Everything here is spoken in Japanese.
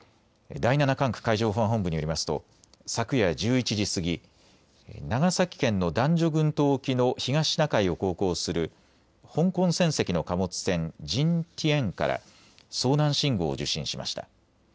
第７管区海上保安本部によりますと昨夜１１時過ぎ長崎県の男女群島沖の東シナ海を航行する香港船籍の貨物船、ＪＩＮＴＩＡＮから遭難信号を受信しました。